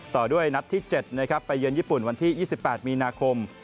ต่อด้วยนัดที่๗นะครับไปเยือนญี่ปุ่นวันที่๒๘มีนาคม